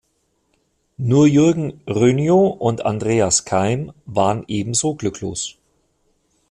Nur Jürgen Rynio und Andreas Keim waren ebenso glücklos.